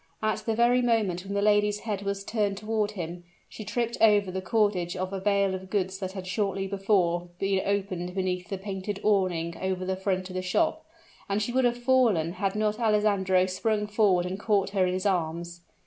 At the very moment when the lady's head was turned toward him, she tripped over the cordage of a bale of goods that had shortly before been opened beneath the painted awning over the front of the shop, and she would have fallen had not Alessandro sprung forward and caught her in his arms.